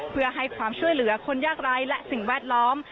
เพื่อให้ความช่วยเหลือคนยากไร้และสิ่งแวดล้อม